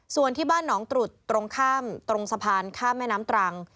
ส่วนที่บ้านหนองตรุษตรงข้ามตรงสะพานข้ามแม่น้ำตรัง